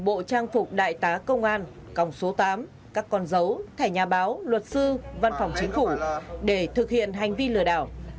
bộ trang phục đại tá công an còng số tám các con dấu thẻ nhà báo luật sư văn phòng chính phủ để thực hiện hành vi lừa đảo